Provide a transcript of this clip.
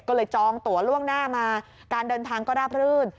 ก็เลยจองตัวล่วงหน้ามาการเดินทางก็ราบรื่น